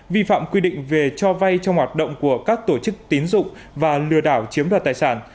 vi phạm quy định về cho vay trong hoạt động của các tổ chức tín dụng và lừa đảo chiếm đoạt tài sản